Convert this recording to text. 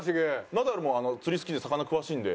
ナダルも釣り好きで魚詳しいんで。